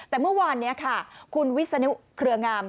แต่เมื่อวานนี้ค่ะคุณวิศนุเครืองาม